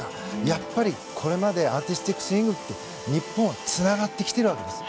やっぱり、これまでアーティスティックスイミングって日本はつながってきているわけです。